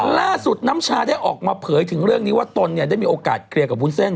น้ำชาได้ออกมาเผยถึงเรื่องนี้ว่าตนเนี่ยได้มีโอกาสเคลียร์กับวุ้นเส้น